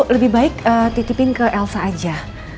lebih baik titipin ke elsa aja